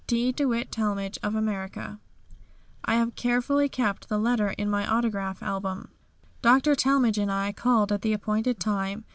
"T. DeWitt Talmage, of America." I have carefully kept the letter in my autograph album. Dr. Talmage and I called at the appointed time.